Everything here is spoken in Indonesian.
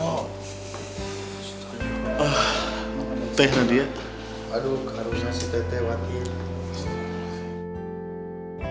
aduh harusnya si tete wakil